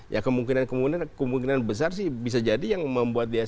ya kemungkinan besar sih bisa jadi yang membuat terjadi